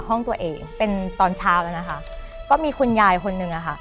ห้องตัวเองเป็นตอนเช้าแล้วนะคะก็มีคุณยายคนหนึ่งอะค่ะ